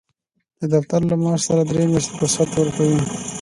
دفتر له معاش سره درې میاشتې رخصت ورکوي.